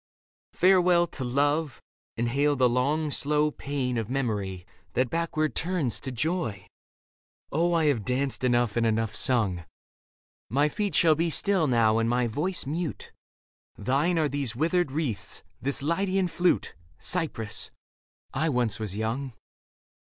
Farewell to love, and hail the long, slow pain Of memory that backward turns to joy. O I have danced enough and enough sung ;, Leda i 3 My teet shall be still now and my voice mute ; Thine are these withered wreaths, this Lydian flute, Cypris ; I once was young.